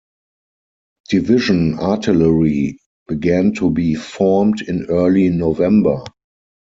Division artillery began to be formed in early November.